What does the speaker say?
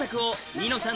『ニノさん』